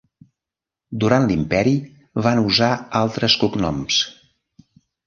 Durant l'Imperi van usar altres cognoms.